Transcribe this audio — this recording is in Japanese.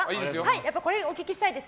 やっぱりこれお聞きしたいです。